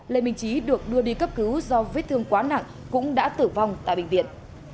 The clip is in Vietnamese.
lê minh trí được đưa đi cấp cứu do vết thương quá nặng cũng đã tử vong tại bệnh viện